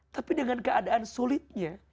tapi dengan keadaan sulitnya